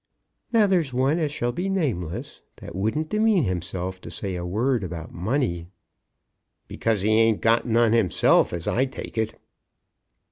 Now, there's one as shall be nameless that wouldn't demean himself to say a word about money." "Because he ain't got none himself, as I take it."